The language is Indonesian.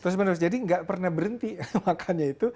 terus menerus jadi nggak pernah berhenti makannya itu